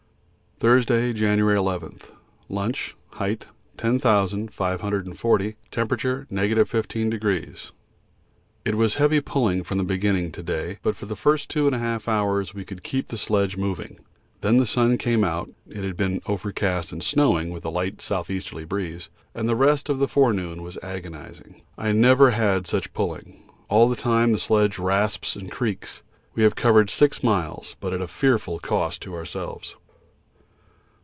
Thursday, January 11. Lunch. Height 10,540. T. 15° 8'. It was heavy pulling from the beginning to day, but for the first two and a half hours we could keep the sledge moving; then the sun came out (it had been overcast and snowing with light south easterly breeze) and the rest of the forenoon was agonising. I never had such pulling; all the time the sledge rasps and creaks. We have covered 6 miles, but at fearful cost to ourselves.